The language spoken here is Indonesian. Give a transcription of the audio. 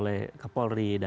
jika menurut anda